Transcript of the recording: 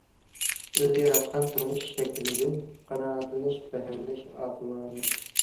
ئۆزى ياراتقان تۇرمۇش شەكلىدىن قانائەتلىنىش، بەھرىلىنىش ئاقىلانىلىك.